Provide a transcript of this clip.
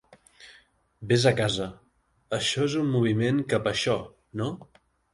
"Vés a casa", això és un moviment cap a això, no?